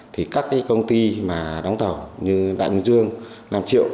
thì các cái công ty mà đóng tàu như đại bình dương năm triệu